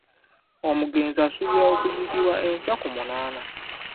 Omugenzi asuubirwa kuziikibwa nkya ku munaana.